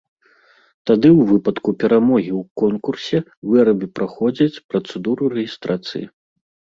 Тады ў выпадку перамогі ў конкурсе вырабы праходзяць працэдуру рэгістрацыі.